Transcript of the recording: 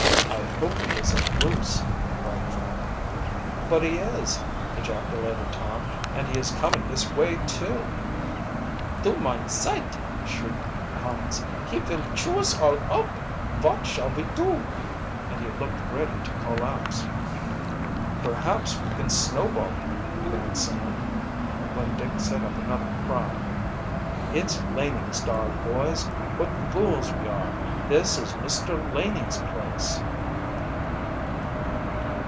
I hope he isn't loose," cried Frank. "But he is," ejaculated Tom; "and he is coming this way too!" "Du meine zeit!" shrieked Hans. "He vill chew us all up! Vot shall ve do?" And he looked ready to collapse. "Perhaps we can snowball him " began Sam, when Dick set up another cry. "It's Laning's dog, boys. What fools we are! This is Mr. Laning's place."